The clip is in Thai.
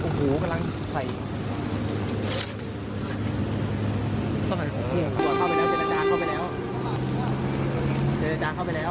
เจนแจรจาเข้าไปแล้ว